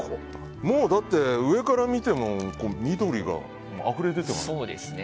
だって上から見ても緑があふれ出ています。